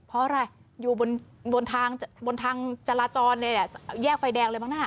เพราะอะไรอยู่บนทางบนทางจราจรแยกไฟแดงเลยมั้งน่ะ